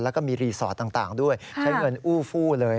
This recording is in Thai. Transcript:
แล้วก็มีรีสอร์ทต่างด้วยใช้เงินอู้ฟู้เลย